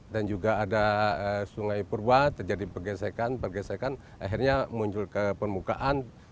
dan juga ada sungai purba terjadi pergesekan pergesekan akhirnya muncul ke permukaan